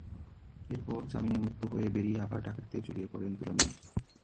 এরপর জামিনে মুক্ত হয়ে বেরিয়ে আবার ডাকাতিতে জড়িয়ে পড়েন দুলা মিয়া।